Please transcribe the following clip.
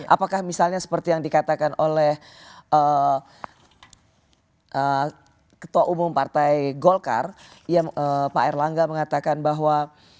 apakah misalnya seperti yang dikatakan oleh ketua umum partai golkar pak erlangga mengatakan bahwa